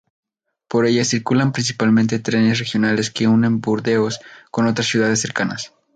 Por ella circulan principalmente trenes regionales que unen Burdeos con otras ciudades cercanas.